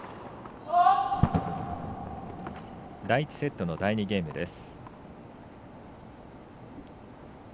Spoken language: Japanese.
第１セットの第２ゲームです。